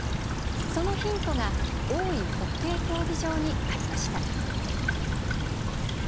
そのヒントが大井ホッケー競技場にありました。